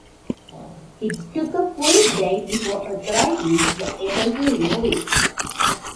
It took a full day before authorities were able to remove it.